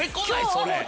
それ。